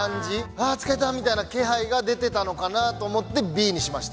あー疲れたみたいな感じが出てたのかなと思って、Ｂにしました。